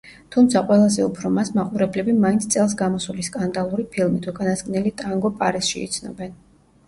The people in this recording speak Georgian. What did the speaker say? თუმცა, ყველაზე უფრო მას მაყურებლები მაინც წელს გამოსული სკანდალური ფილმით „უკანასკნელი ტანგო პარიზში“ იცნობენ.